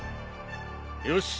よし。